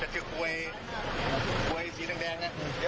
จีพีเอส